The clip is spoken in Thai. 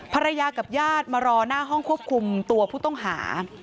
ภรรยากับญาติมารอหน้าห้องควบคุมตัวผู้ต้องหา